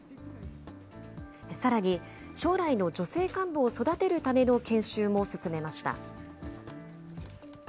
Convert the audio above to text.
さらに、将来の女性幹部を育てるための研修も進めました。